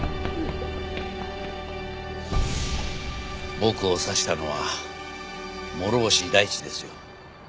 僕を刺したのは諸星大地ですよ。